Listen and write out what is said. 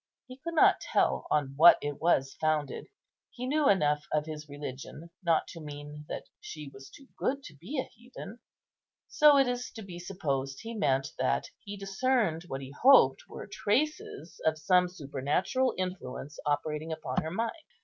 He could not tell on what it was founded; he knew enough of his religion not to mean that she was too good to be a heathen; so it is to be supposed he meant that he discerned what he hoped were traces of some supernatural influence operating upon her mind.